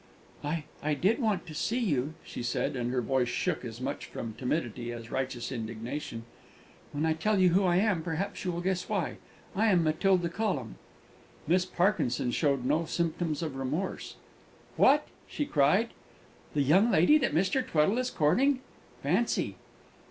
"I I did want to see you," she said, and her voice shook, as much from timidity as righteous indignation. "When I tell you who I am, perhaps you will guess why. I am Matilda Collum." Miss Parkinson showed no symptoms of remorse. "What!" she cried, "the young lady that Mr. Tweddle is courting? Fancy!"